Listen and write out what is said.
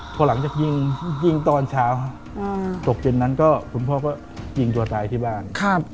พอหลังจากยิงยิงตอนเช้าตกเย็นนั้นก็คุณพ่อก็ยิงตัวตายที่บ้าน